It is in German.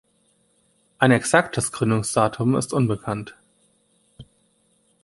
Ein exaktes Gründungsdatum ist unbekannt.